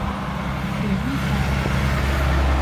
เหรียญไม่พอ